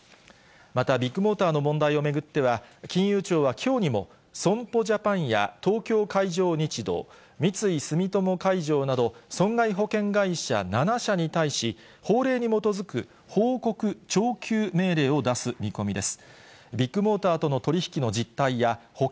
また、ビッグモーターの問題を巡っては、金融庁はきょうにも損保ジャパンや東京海上日動、三井住友海上など、損害保険会社７社に対し、法令に基づく報告徴求命令を出す見込みです。